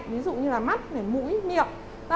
ví dụ như mắt mũi miệng